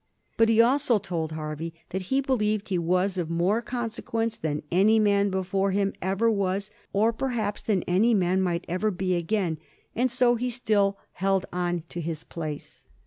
But he also told Hervey that he believed he was of more consequence than any man before him ever was, or per haps than any man might ever be again, and so he still held on to his place.